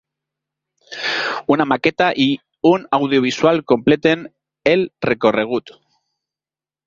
Una maqueta i un audiovisual completen el recorregut.